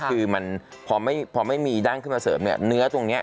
คือมันพอไม่มีดั้งขึ้นมาเสริมเนี่ยเนื้อตรงนี้